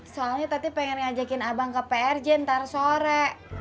soalnya tadi pengen ngajakin abang ke prj ntar sore